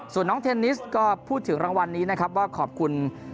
ส่วนน้องเทนนิสก็พูดถึงรางวัลนี้นะครับว่าขอบคุณ